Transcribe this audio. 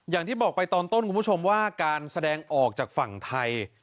อย่างที่บอกไปตอนต้นคุณผู้ชมว่าการแสดงออกจากฝั่งไทย